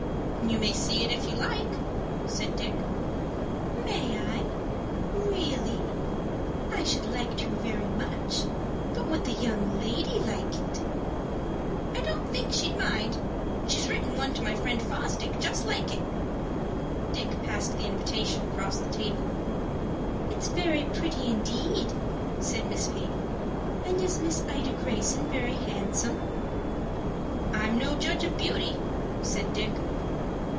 "You may see it if you like," said Dick. "May I, really? I should like to very much; but would the young lady like it?" "I don't think she'd mind. She's written one to my friend Fosdick just like it." Dick passed the invitation across the table. "It's very pretty indeed," said Miss Peyton. "And is Miss Ida Greyson very handsome?" "I'm no judge of beauty," said Dick.